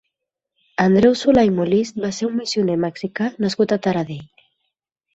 Andreu Solà i Molist va ser un missioner mexicà nascut a Taradell.